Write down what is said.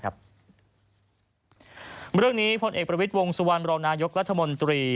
บริเวณนี้พรงอิกษการ์บินิตรวงสู่วัญราวนายกรัฐมนตรี